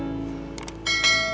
masa warung kios udah dua